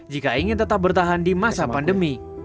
jika ingin tetap bertahan di masa pandemi